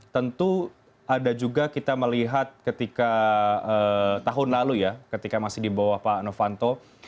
tentu ada juga kita melihat ketika tahun lalu ya ketika masih di bawah pak novanto